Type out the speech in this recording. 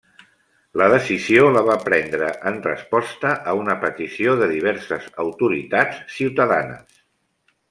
La decisió la va prendre en resposta a una petició de diverses autoritats ciutadanes.